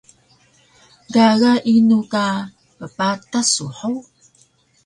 Gaga inu ka ppatas su hug?